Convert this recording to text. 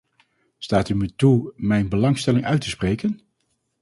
Staat u me toe mijn belangstelling uit te spreken.